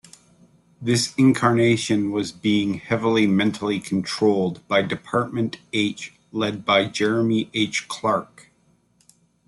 This incarnation was being heavily mentally controlled by Department H, led by Jermery Clarke.